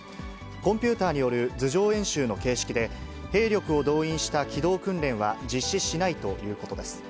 コンピューターによる図上演習の形式で、兵力を動員した機動訓練は実施しないということです。